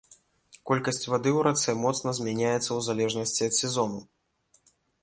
Колькасць вады ў рацэ моцна змяняецца ў залежнасці ад сезону.